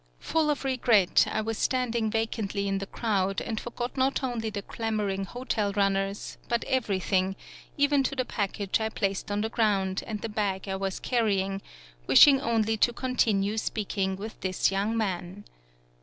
Full of regret, I was standing vacantly in the crowd, and forgot not only the clamoring hotel runners, but everything, even to the package I placed on the ground and the bag I was carrying, wishing only to continue speaking with this young man.